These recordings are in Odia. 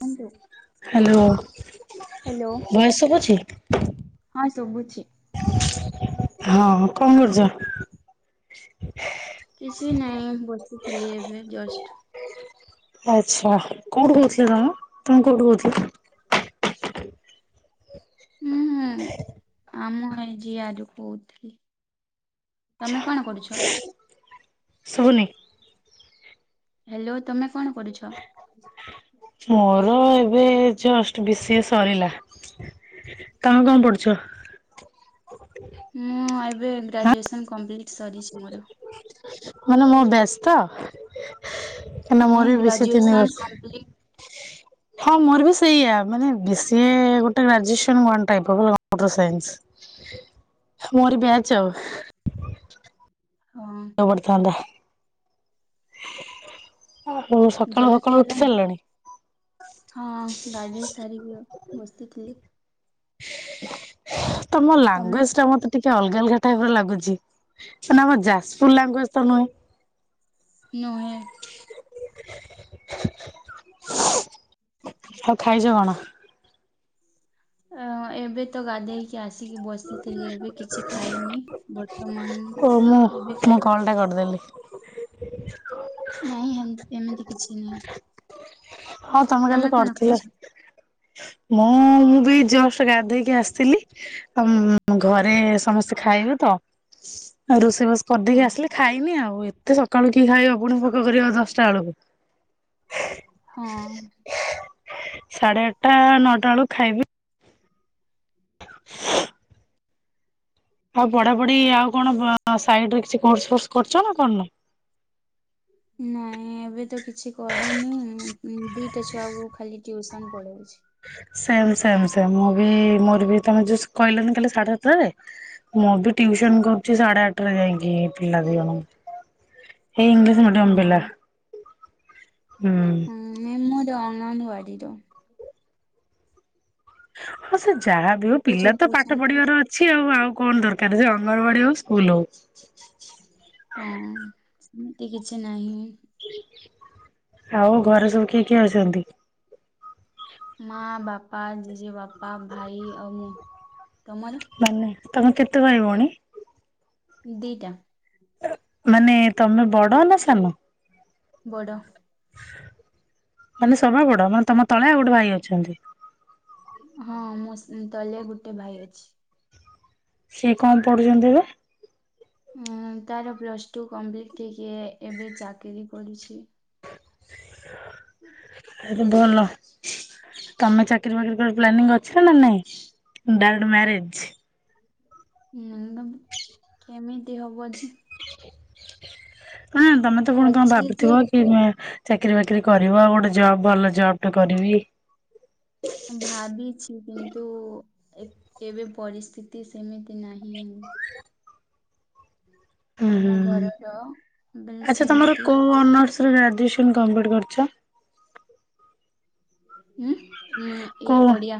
କୁହନ୍ତୁ ହ୍ୟାଲୋ ହ୍ୟାଲୋ ଭଏସ୍ ଶୁଭୁଚି? ହଁ ଶୁଭୁଛି। ହଁ କଣ କରୁଚ? କିଛି ନାଇଁ ବସିଥିଲି ଏବେ ଜଷ୍ଟ। ଆଛା କୋଉଠୁ କୋହୁଥିଲେ ତମେ ତମେ କୋଉଠୁ କୋ ହୁଥିଲ? ହୁଁ ଆମ ହେଇଛିି ଆରୁୁ କହୁଥିଲି [unintelligible] ତମେ କଣ କରୁଛ? ଶୁବୁ ହ୍ୟାଲୋ ତମେ କଣ ପଢିଛ? ମୋର ଏବେ ଜଷ୍ଟ ବିଶିଏ ସରିଲା। ତମେ କଣ ପଢୁଛ? ମୁଁ ଏବେ ଆଁ ଗ୍ରାଜୁଏସନ କମ୍ପ୍ଲିଟ ସରିଛି ମୋର। ମାନେ ମୋ ବ୍ୟାଚ୍ ତ। କାହିଁକନା ନାଇଁ ମୋର ବିଶିଏ ତିନି ଗ୍ରାଜୁଏସନ ବର୍ଷ। କମ୍ପ୍ଲିଟ ହଁ ମୋର ବି ସେଇଆ ମାନେ ବେଶି ଗୋ graduation one type of computer science. ହଁ ପଢ଼ୀଥାନ୍ତା ଆଉ ସକାଳୁ ଜଲଖିଆ ସକାଳୁ ଉଠି ହେଲାଣି? ସାରିଲ ହଁ ଗାଧେଇ ସାରିକି ବସିଥିଲି। ତମ ତମେ? ଲାଙ୍ଗୁଏଜ ଟା ମତେ ଟିକେ ଅଲଗା ଅଲଗା ଟାଇପ ର ଲାଗୁଛି ମାନେ ଆମ ଯାଜପୁର ଲାଙ୍ଗୁଏଜ ତ ନୁହେଁ? ନୁହେଁ। ଆଉ ଖାଇଛ କଣ? ଅ ଏବେ ତ ଗାଧେଇକି ଆସିକି ବସିଥିଲି ଏବେ କିଛି ଖାଇନି ଵ ତମାନ ଏବେ ଖାଇବି। କଣ ଟା କରିଦେଲି। ନାଇଁ ହେ ଏମିତି କିଛି ନାହିଁ। ହଁ ତମେ କାଲି କଣ କରିଥିଲ। ଖାଇଛ? ମୁଁ ମୁଁ ବି ଜଷ୍ଟ ଗାଧେଇକି ଆସିଥିଲି। ଆ ଘରେ ସମସ୍ତେ ଖାଇବେ ତ ରୋଷେଇ ବାଷ କରିଦେଇକି ହଁ ଆସିଲି। ଖାଇନି ଆଉ ଏତେ ସକାଳୁ କି ଖାଇବ ପୁଣି ଫୋକ କରିବ ଦଶଟା ବେଳକୁ। ହଁ। ସାଢେ ଆଠଟା ନଅଟା ବେଳକୁ ଖାଇବି। [unintelligible] [inaudible] ଆଉ ପଢା ପଢି ଆଉ କଣ ସାଇଡରେ କିଛି କୋର୍ସ ଫୋର୍ସ କରଛ ନା କରି ନ? ନାଇଁ ଏବେ ତ କିଛି କରୁନି ଦିଟା ଛୁଆକୁୁ ଖାଲି ଟ୍ୟୁସନ ପଢଉଛି। ସେମ ସେମ ସେମ ମୁଁ ବି ମୋର ବି ତମେ ଯୋଉ କହିଲନି କାଲି ସାଢେ ସାତ ଠାରେ ମୁଁ ବି ଟିଉସନ କରୁଛି ସାଢେ ଆଠରେ ଯାଇକି ପିଲା ଦି ଜଣଙ୍କୁ। ଏଇ ଇଂଲିଶ ହଁ ମିଡିୟମ ପିଲା ହୁଁ। ନୁହେଁ ମୋର ଅଙ୍ଗନବାଡ଼ିର। ହଁ ସେ ଯାହାବି ହଉ ଛୋଟ ପିଲା ଛୋଟ ତ ପାଠ ଅଛନ୍ତି। ପଢିବାର ଅ କିଛି ଆଉ ଆଉ କଣ ଦରକାର ଯେ ଅଙ୍ଗନବାାଡି ହଉ ସ୍କୁଲ ହଉ। ହଁ ସେମିତି କିଛି ନାହିଁ। ଆଉ ଘରେ ସବୁ କିଏ କିଏ ଅଛନ୍ତି? ମା, ବାପା, ଜେଜେ ବାପା, ଭାଇ ଆଉ ମୁଁ ତମର? ମାନେ ତମେ କେତେ ଭାଇ ଭଉଣୀ? ଦିଇଟା। ମାନେ ତମେ ବଡ ନା ସାନ? ବଡ଼। ମାନେ ସବା ବଡ ମାନେ ତମ ତଳେ ଆଉ ଗୋଟେ ଭାଇ ଅଛନ୍ତି? ହଁ ମୁଁ ତଲେ ଗୋଟେ ଭାଇ ଅଛି। ସିଏ କଣ ପଢୁଛନ୍ତି ଏବେ? ଉଁ ତାର ପ୍ଲସ୍ ଟୁ କମ୍ପ୍ଲିଟ୍ ହେଇକି ଏବେ ଚାକିରି କରୁଛି। ଆରେ ଭଲ ତମେ ଚାକି ଚାକିରି ବାକିରି କଣ ପ୍ଲାନିଙ୍ଗ ଅଛି ନା ନାଇଁ ଡାଇରେକ୍ଟ ମାରେଜ। ହୁଁ କେମିତି ହବ ଯେ ହଁ ତମେ ତ ପୁଣି କଣ ଅଛି ଯେ ଭାବୁଥିବ କି ଚାକିରୀ ବାକିରି କରିବ ଆଉ ଗୋଟେ ଜବ ଭଲ ଜବ ଟା କରିବି। ଭାବିଛି କିନ୍ତୁ ଏବେ ପରିସ୍ଥିତି ସେମିତି ନାହିଁ। ହୁଁ ଆମ ହୁଁ ଘରର ବେଲେ ଆଚ୍ଛା ତମର ସେମିତି କୋ ଅନର୍ସରେ ଗ୍ରାଜୁଏସନ କମ୍ପ୍ଲିଟ କରିଛ? ହୁଁ ହୁଁ ଏ କୋଉ ଓଡିଆ।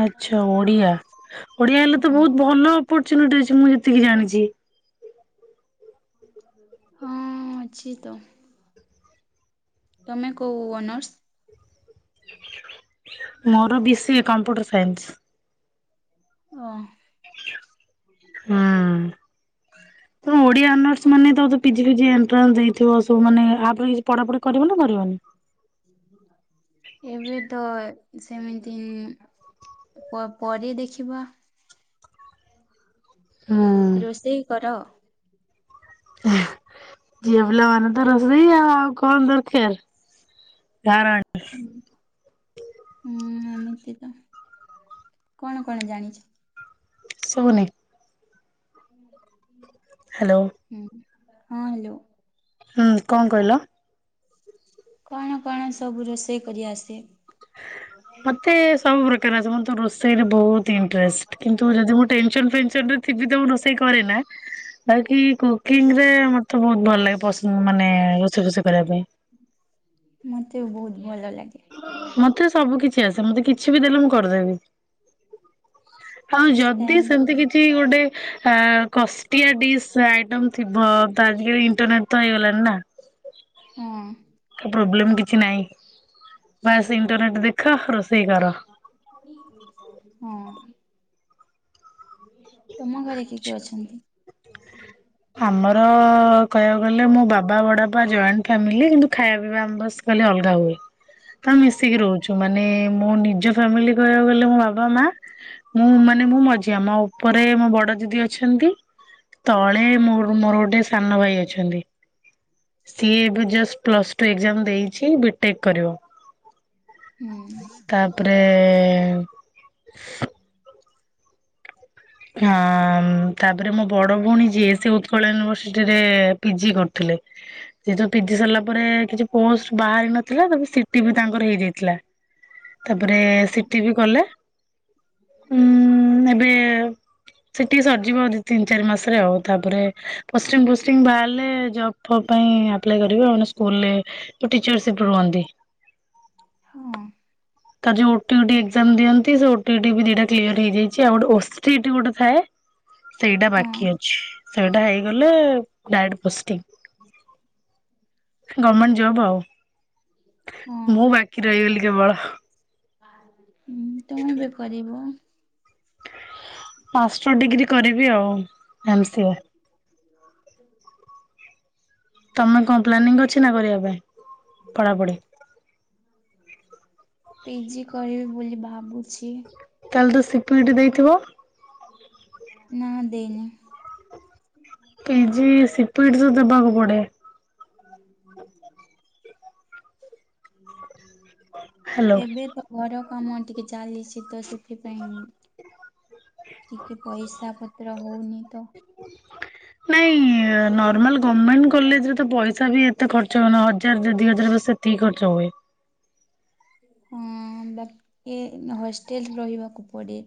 ଆଚ୍ଛା ଓଡିଆ ଓଡିଆ ହେଲେ ତ ହଁ ବହୁତ ଭଲ ଅପର୍ଚୁନିଟି ଅଛି ମୁଁ ଯେତିକି ଜାଣିଛି। ହଁ ଅଛି ତ। ତମେ କୋଉ ଅନର୍ସ? ମୋର B C A computer science. ଓ। ହୁଁ ତମ ଓଡିଆ ଅନର୍ସ ମାନେ ତ ଦ ପିଜି ଫିଜି ଏଣ୍ଟ୍ରାନ୍ସ ଦେଇ ଥିବ ସବୁ ମାନେ ଆପରେ କିଛି ପଢ଼ାପଢ଼ି କରିବ ନା କରିବନି? ଏବେ ତ ସେମିତି ପ ପ ପରେ ଦେଖିବା। ହୁଁ ରୋଷେଇ କର। ଝିଅ ପିଲା ମାନେ ତ ରୋଷଇ ଆଉ ଆଉ କଣ ଦରକାର। ସାରେ ଆଣ୍ଟି। ହୁଁ ଏମିତି ତ‌‌। କଣ କଣ ଜାଣିଛି? ସୁଭୁନି। [unintelligible] ହ୍ୟାଲୋ। ହୁଁ ହଁ ହ୍ୟାଲୋ। ହଁ କଣ କହିଲ? କଣ କଣ ସବୁ ରୋଷେଇ କରି ଆସେ? ମତେ ସବୁ ପ୍ରକାର ଆସେ ମୁ ତ ରୋଷେଇରେ ବହୁତ ଇଣ୍ଟରେଷ୍ଟ୍ କିନ୍ତୁ ଯଦି ମୁଁ ଟେନସନ ଫେନସନ ଥିବି ତ ମୁଁ ରୋଷେଇ କରେ ନା। [unintelligible] କି କୁକିଂରେ ମତେ ବହୁତ ଭଲ ଲାଗେ ପସନ୍ଦ ମାନେ ରୋଷେଇ ଫୋସେଇ କରିବା ପାଇଁ। ମତେ ବି ବହୁତ ଭଲ ଲାଗେ। ମତେ ସବୁ କିଛି ଆସେ ମତେ କିଛି ବି ଦେଲେ ମୁଁ କରିଦେବି। ହଁ ଯଦି ସେମ୍ ସେମିତି କିଛି ଗୋଟେ ଆ କଷ୍ଟିଆ ଡିସ୍ ଆଇଟମ ଥିବ ତ ଆଜିକାଲି ଇଣ୍ଟରନେଟ ତ ହେଇଗଲାଣିି ନା। ହଁ। ପ୍ରୋବ୍ଲେମ କିଛି ନାଇଁ ବାସ୍ ଇଣ୍ଟରନେଟ୍ ଦେଖ ରୋଷେଇ କର। ହୁଁ। ତୁମ ଘରେ କିଏ କିଏ ଅଛନ୍ତି? ଆମର କହିବାକୁ ଗଲେ ମୋ ବାବା ବଡ ବାପା ଜଏଣ୍ଟ ଫ୍ୟାମିଲି କିନ୍ତୁ ଖାଇବା ପିଇବା ଆମ ବା ଖାଲି ଅଲଗା ହୁଏ ତ ଆମେ ମିଶିକି ରହୁଛୁ ମାନେ ମୋ ନିଜ ଫ୍ୟାମିଲି କହିବାକୁ ଗଲେ ମୋ ବା ବାବା ମା ମୁଁ ମାନେ ମୁଁ ମଝିଆ ମୋ ଉପରେ ମୋ ବଡ ଦିଦି ଅଛନ୍ତି। ତଳେ ମୋର ମୋର ଗୋଟେ ସାନ ଭାଇ ଅଛନ୍ତି। ସିଏ ଏବେ ଜଷ୍ଟ୍ ପ୍ଲସ୍ ଟୁ ଏକ୍ଜାମ ଦେଇଛି ବି ଟେକ୍ କରିବ। ହୁଁ। ତାପରେ ହଁ ତା ତାପରେ ମୋ ବଡ ଭଉଣୀ ଯିଏ ସିଏ ଉତ୍କଳ ୟୁନିଭରସିଟିରେ ପିଜି କରୁଥିଲେ। ସେ ଯୋଉ ପିଜି ସରିଲା ପରେ କିଛି ପୋଷ୍ଟ ବାହାରି ନଥିଲା ତାପରେ ସିଟି ବି ତାଙ୍କର ହେଇଯାଇଥିଲା। ତାପରେ ସିଟିି ବି କଲେ ଉଁ ଏବେ ସିଟି ସରିଯିବ ଦି ତିନି ଚାରି ମାସରେ ଆଉ ତାପରେ ପୋଷ୍ଟିଂ ଫୋଷ୍ଟିଂ ବାହାରିଲେ ଜବ୍ ଫବ୍ ପାଇଁ ଆପ୍ଲାଏ କରିବେ ନହେଲେ ସ୍କୁଲରେ ଯୋଉ ଟିଚରସିପରେ ରୁହନ୍ତି। ହଁ। ତାର ଯୋଉ ଓଟିଟି ଏକ୍ଜାମ ଦିଅନ୍ତି ସେ ଓଟିଟି ବି ଦିଟା କ୍ଲିୟର ହେଇଯାଇଛି ଆଉ ଗୋଟେ ଓଷ୍ଟ୍ରିଟ୍ ଗୋଟେ ଥାଏ। ସେଇଟା ହଁ ବାକି ଅଛି ସେଇଟା ହେଇଗଲେ ଡାଇରେକ୍ଟ ପୋଷ୍ଟିଂ। ଗମେଣ୍ଟ ଜବ ଆଉ। ହଁ ମୁଁ ବାକି ରହିଗଲି କେବଳ। ହଁ ତୁମେ ବି କରିବ। ମାଷ୍ଟର ଡିଗ୍ରୀ କରିବି ଆଉ ଏମ ସି ଏ। [unintelligible] ତମେ କଣ ପ୍ଲାନିଂ ଅଛି ନା କରିବା ପାଇଁ? ପଢାପଢି? ହୁଁ। ପିଜି କରିବି ବୋଲି ଭାବୁଛି। ତାହେଲେ ତ ସିକ୍ୟୁରିଟି ଦେଇଥିବ। [unintelligible] ନା ଦେଇନି। କେଜି ସିପିଟ୍ସ ଦେବାକୁ ପଡେ। [unintelligible] ହ୍ୟାଲୋ ଏବେ ତ ଘର କାମ ଟିକେ ଚାଲିଛି ତ ସେଥିପାଇଁ ଟିକେ ପଇସା ପତ୍ର ହଉନି ତ ହ ନାଇଁ ନର୍ମାଲ ଗଭର୍ଣ୍ଣମେଣ୍ଟ କଲେଜରେ ତ ପଇସା ବି ଏତେ ଖର୍ଚ୍ଚ ହଉନ ହଜାର ଦିଇ ହଜାର ବାସ ସେତ ତିକି ଖର୍ଚ ହୁଏ। ହଁ ବା ଏ ହଷ୍ଟେଲ ରହିବାକୁ ପଡ଼େ।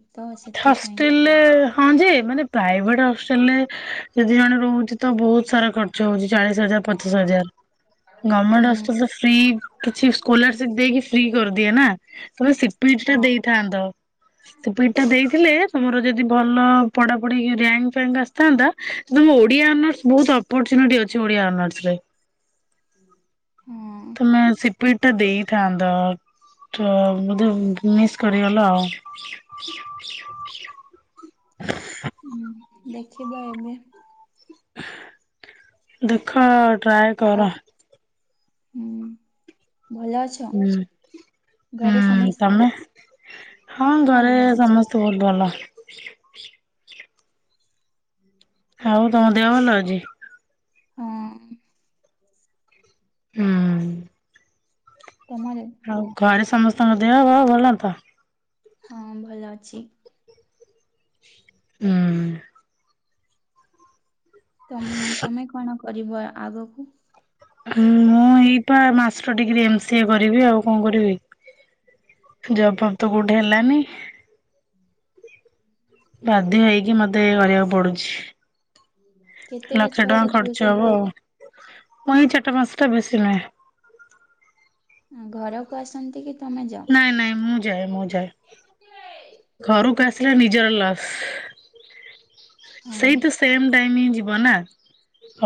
ହଷ୍ଟେଲରେ ହଁ ଯେ ମାନେ ପ୍ରାଇଭେଟ ହଷ୍ଟେଲରେ ଯଦି ଜଣେ ରହୁଛି ତ ବହୁତ ସାରା ଖର୍ଚ୍ଚ ହଉଛି ଚାଳିଶ ହଜାର ପଚାଶ ହଜାର। ଗଭର୍ମେଣ୍ଟ ହଷ୍ଟେଲ ହୁଁ ତ ଫ୍ରି କିଛି ସ୍କୋଲାରସିପ ଦେଇକି ଫ୍ରି କରିଦିଏ ନା। ତମେ ସି ପି ଟା ହଁ ଦେଇଥା ଥାନ୍ତ ସି ପି ଟି ଟା ଦେଇଥିଲେ ତମର ଯଦି ଭଲ ପଢାପଢି ଇଏ ର୍ୟାଙ୍କ ରିଆଙ୍କ ଆସିଥାନ୍ତା କିନ୍ତୁ ଓଡିଆ ଅନର୍ସ ବହୁତ ଅପରଚୁନିଟି ଅଛି ଓଡିଆ ଅନର୍ସରେ। ହଁ। ତମେ ସି ପି ଟ ଟା ଦେଇଥାନ୍ତା ତ ବୋଧେ ମିସ୍ କରିଗଲ ଆଉ। ହୁଁ ଦେଖିବା ଏବେ। ଦେଖ ଟ୍ରାଏ ଆଉ କର। ହୁଁ ଭଲ ଅଛ? ହୁଁ ଘରେ ହୁଁ ସମସ୍ତେ? ତମେ ହଁ ମୁଁ ଘରେ ଭଲ ଅଛି। ସମସ୍ତେ ବହୁତ ଭଲ। ହୁଁ। ଆଉ ତମ ଦେହ ଭଲ ଅଛି? ହୁଁ। ହୁଁ। ତମରେ ଆଉ ଘରେ ସମସ୍ତଙ୍କ ଦେହ ପା ଭଲ ତ। ହଁ ଭଲ ଅଛି। ହୁଁ। ତମେ ତମେ କଣ କର କରିବ ଆଗକୁ? ମୁଁ ଏଇପା ମାଷ୍ଟର ଡିଗ୍ରୀ ଏମ ସିଏ କରିବି ଆଉ କଣ କରିବି। ଜବ ଫବ ତ କୋଉଠି ହେଲାନି। ହୁଁ [unintelligible] ବାଧ୍ୟ ହେଇକି ମତେ କରିବାକୁ ପଡୁଛି। କେ ଲକ୍ଷେ ଟଙ୍କା ଖର୍ଚ୍ଚ ହବ ଆଉ ମୁଁ ଏଇଁ ଚାରିଟା ପାଞ୍ଚଟା ବେଶୀ ନୁହେଁ। ଘରକୁ ଆସନ୍ତି କି ତମେ ଯା। ନାଇଁ ମୁଁ ଯା ମୁଁ ଯାଏ। ଘରକୁ ଆସିଲେ ନିଜର ଲସ। ହଁ ସେଇ ତ ସେମ ଟାଇମ ହିଁ ଯିବ ନା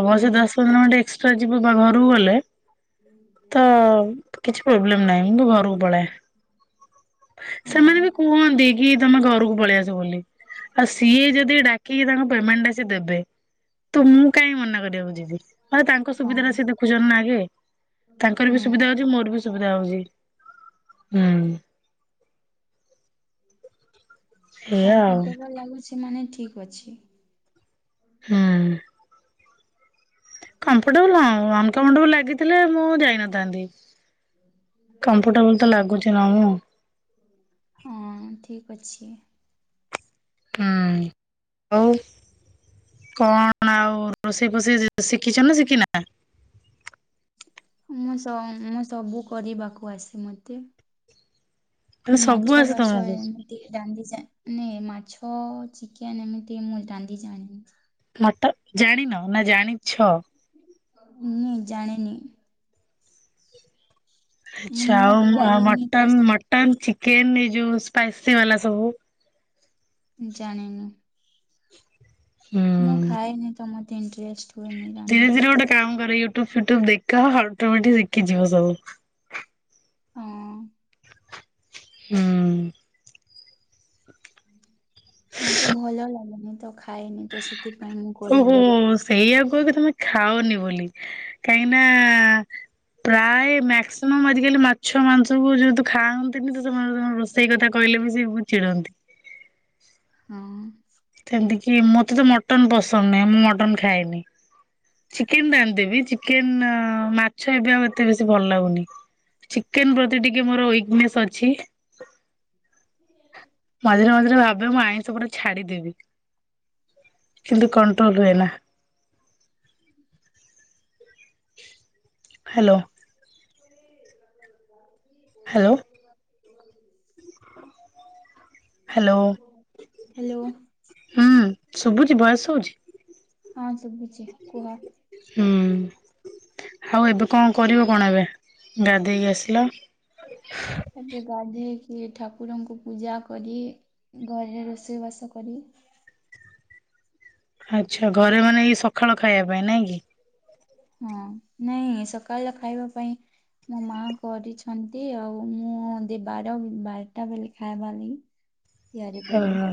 ଅବଶ୍ୟ ହୁଁ ଦଶ। ପନ୍ଦର ମିନିଟ୍ ଏକ୍ସଟ୍ରା ଯିବ ବା ଘରକୁ ଗଲେ। ତ କିଛି ପ୍ରୋବ୍ଲେମ ନାହିଁ ମୁଁ ତ ଘରକୁ ପଳାଏ। ହଁ ସେମାନେ ବି କୁହନ୍ତି କି ତମେ ଘରକୁ ପଳେଇ ଆସ ବୋଲି ଆଉ ସିଏ ଯଦି ଡା। କି ତାଙ୍କ ପେମେଣ୍ଟ ଟା ସି ଏଦେବେ ତ ମୁଁ କାଇହିଁ ମନା କରିବାକୁ ଯିବି ମେ ତାଙ୍କ ସୁବିଧା ଟା ହଁ ସେଦେଖି। ଦେଖୁଛନ୍ତି ନା ଆଗେ ତାଙ୍କର ବି ହୁଁ ସୁବିଧା ହଉଛି ମୋର ବି ସୁବିଧା ହଉଛି ହୁଁ, ଏଇଆ ଆଉ କମ୍ଫର୍ଟେବଲ ଲାଗୁଛି ମାନେ ଠିକ ଅଛି। ହୁଁ। କମ୍ଫର୍ଟେବଲ ହଁ ଅନକମ୍ଫର୍ଟେବୁଲ ଲାଗିଥିଲେ ମୁଁ ଯାଇନଥାନ୍ତି କମ୍ଫୋଟେବୁଲ। ତ ଲାଗୁଛି ନା ମୁଁ। [inaudible] ହଁ ଠିକ୍ ଅଛି। ହୁଁ ହଉ, କଣ ଆଉ ରୋଷେଇ ଫୋଷେଇ ଶିଖିଛ ନା ଶିଖିନା। ମୁଁ ମୁଁ ସବୁ କରିବାକୁ ଆସେ ମତେ। ମାନେ ଏଇ ସବୁ ମାଛ ଆସେ ପାଛ ତମକୁ? ହେନ। ନାଇଁ ମାଛ ଚିକେନ ଏମିତି ମୁଁ ରାନ୍ଧି ଜାଣିନଥିଲି, ହଟାତ ଜାଣିନ ନା ଜାଣିଛ। ନାଇଁ ଜାଣିନି। ଆଛା ମୁଁ ଆଉ ଖାଏନି ତ ସେ ମଟନ ମଟନ ଚିକେନ ଏ ଯୋଉ ସ୍ପାଇସି ବାଲା ସବୁ। ଜାଣିନି। ହୁଁ। ମୁଁ ଖାଇଏନି ତ ମତେ ଇଣ୍ଟରେଷ୍ଟ। ହୁଏନି ଧୀରେ ରାନ୍ଧିବା ଧୀରେ ଗୋଟେ ପାଇଁ କାମ କରେ ୟୁଟ୍ୟୁବ ଫୁଟ୍ୟୁବ ଦେଖ ଅଟୋମେଟିକ ଶିଖିଯିବ ସବୁ। ହଁ। ହୁଁ। ମତେ ଭଲ ଲାଗେନି ମୁଁ ତ ଖାଏନି। ତ ସେଥିପାଇଁ ମୁଁ ଓହୋ। କରେନି ସେଇ ଆକୁ କହନ୍ତି ତମେ ଖାଅନି ବୋଲି କାହିଁକି ନା ପ୍ରାୟ ମାକ୍ସିମମ୍ ଆଜିକାଲି ମାଛ ମାଂସକୁ ଯେହେତୁ ଖାଆନ୍ତିନି ତ ସେମାନେ ତାଙ୍କର ରୋ। ସେଇ କଥା କହିଲେ ବି ସେ ବହୁତ ଚିଡ଼ନ୍ତି। ହଁ। ସେମିତି କିି ମୋତେ ତ ମଟନ ପସନ୍ଦ ନାହିଁ ମୁଁ ମଟନ ଖାଏନି। ଚିକେନ ରାନ୍ଧି ଦେବି ଚିକେନ ମାଛ ଏବେ ଆଉ ଏତେ ବେଶୀ ଭଲ ଲାଗୁନି। ଚିକେନ ପ୍ରତି ଟିକେ ମୋର ୱିକନେସ୍ ଅଛି। ମଝିରେ ମଝିରେ ଭାବେ ମୁଁ ଆଇଁଷ ପୁରା ଛାଡିଦେବି। କିନ୍ତୁ କଣ୍ଟ୍ରୋଲ ହୁଏ ନା। ହ୍ୟାଲୋ। ପରେ ମଲ [unintelligible] ହ୍ୟାଲୋ। [unintelligible] [inaudible] ହ୍ୟାଲୋ। ହ୍ୟାଲୋ ହୁଁ ଶୁଭୁଛି ଭୟସ ଶୁଭୁଛି? ହଁ ଶୁଭୁଛି କୁହ। ହୁଁ ଆଉ ଏବେ କଣ କରିବ କଣ ଏବେ ଗାଧେଇକି ଆସିଲ? ଏବେ ଗାଧେଇକି ଠାକୁରଙ୍କୁ ପୂଜା କରି। ଘରେ ରୋଷେଇବାସ କରି ଆଚ୍ଛା ଘରେ ମାନେ ଏଇ ସକାଳ ଖାଇବା ପାଇଁ ନାଇଁ କି? ହଁ ନାଇଁ ସକାଳ ଖାଇବା ପାଇଁ ମୋ ମା କରିଛନ୍ତି ଆଉ ମୁଁ ବାର ବାରଟା ବେଳେ ଖାଇବା ଲାଗି ତିଆରି ହ କରିବି ହ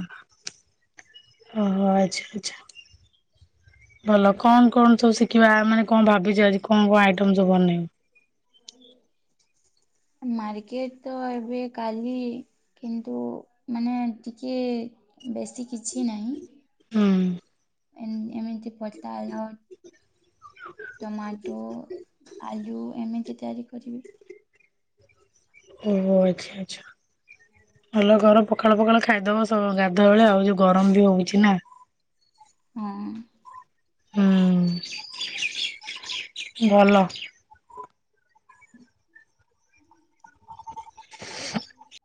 ଓହୋ ଆଚ୍ଛା ଆଛା। ଭଲ କଣ କଣ ସବୁ ଶିଖିବା ମାନେ କଣ ଭାବିଛି ଆଜି କଣ କଣ ଆଇଟମ ସବୁ ବନେଇବ? [inaudible] ମାର୍କେଟ ତ ଏବେ କାଲି କିନ୍ତୁ ମାନେ ଟିକିଏ ବେଶୀ କିଛି ନାହିଁ। ହୁଁ। ଏମିତି ପତା ହେଲା ଟମାଟୋ ଆଲୁ ଏମିତି ତିଆରି କରିବି। ଓହୋ ଆଚ୍ଛା ଆଛା। ଭଲ ଘର ପଖାଳ ପଖା ଖାଇଦବ ସ ଗାଧ ବେଳେ ଆଉ ଯୋଉ ଗରମ ବି ହଉଛି ନା? ହଁ। ହୁ। ଭଲ। [inaudible]